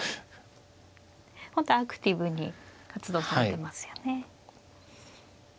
本当アクティブに活動されてますよね。